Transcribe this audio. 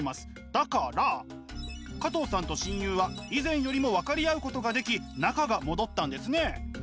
だから加藤さんと親友は以前よりも分かり合うことができ仲が戻ったんですね！